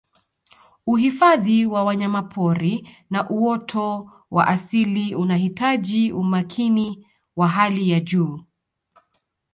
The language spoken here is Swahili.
Uhifadhi wa wanyapori na uoto wa asili unahitaji umakini wa hali ya juu